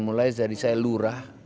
mulai dari saya lurah